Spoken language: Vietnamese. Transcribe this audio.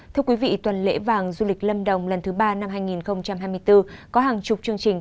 thưa quý vị tuần lễ vàng du lịch lâm đồng lần thứ ba năm hai nghìn hai mươi bốn có hàng chục chương trình